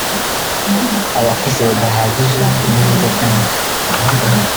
abakozi badahagije n’imodoka nke